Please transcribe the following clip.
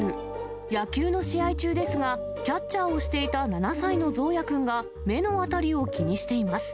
野球の試合中ですが、キャッチャーをしていた７歳のゾーヤ君が、目の辺りを気にしています。